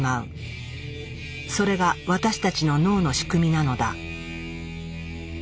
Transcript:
それが私たちの脳の仕組みなのだ。